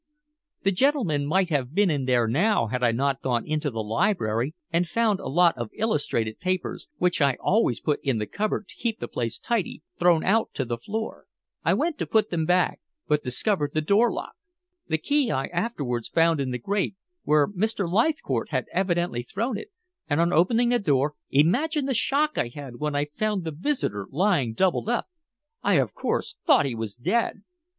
"The gentleman might have been in there now had I not gone into the library and found a lot of illustrated papers, which I always put in the cupboard to keep the place tidy, thrown out on to the floor. I went to put them back but discovered the door locked. The key I afterwards found in the grate, where Mr. Leithcourt had evidently thrown it, and on opening the door imagine the shock I had when I found the visitor lying doubled up. I, of course, thought he was dead."